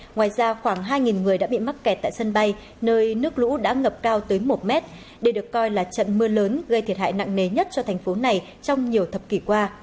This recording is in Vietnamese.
ngoài ra khoảng hai người đã bị mắc kẹt tại sân bay nơi nước lũ đã ngập cao tới một mét đây được coi là trận mưa lớn gây thiệt hại nặng nề nhất cho thành phố này trong nhiều thập kỷ qua